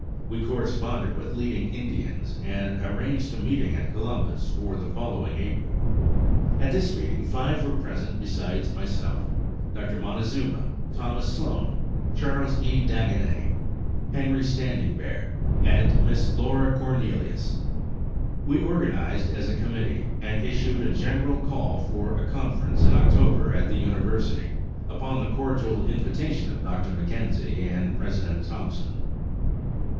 We corresponded with leading Indians and arranged a meeting at Columbus for the following April. At this meeting five were present besides myself: Dr. Montezuma, Thomas Sloan, Charles E. Dagenett, Henry Standingbear, and Miss Laura Cornelius. We organized as a committee, and issued a general call for a conference in October at the university, upon the cordial invitation of Dr. McKenzie and President Thompson.